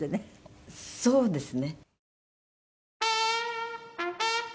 そうですね。